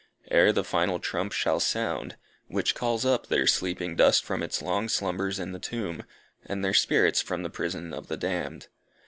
ere the final trump shall sound, which calls up their sleeping dust from its long slumbers in the tomb, and their spirits from the prison of the damned.